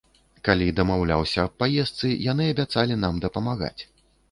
Калі дамаўляўся аб паездцы, яны абяцалі нам дапамагаць.